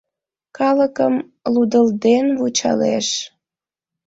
Калыкым лудылден вучалеш.